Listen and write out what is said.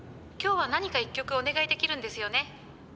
「今日は何か１曲お願いできるんですよね？」。